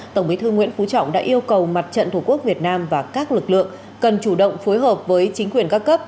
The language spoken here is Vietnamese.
tổng bí thư nguyễn phú trọng đã yêu cầu mặt trận tổ quốc việt nam và các lực lượng cần chủ động phối hợp với chính quyền các cấp